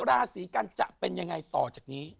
ราศีกันจะเป็นยังไงต่อจากนี้